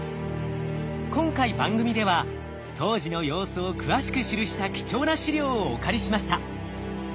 今回番組では当時の様子を詳しく記した貴重な資料をお借りしました。